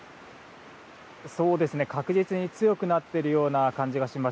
確実に強くなっているような感じがします。